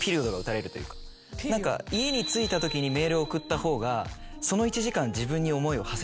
家に着いたときにメールを送った方がその１時間自分に思いをはせてるでしょ。